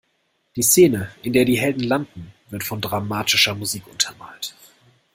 Die Szene, in der die Helden landen, wird von dramatischer Musik untermalt.